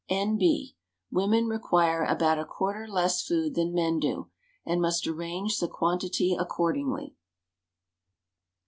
N.B. Women require about a quarter less food than men do, and must arrange the quantity accordingly.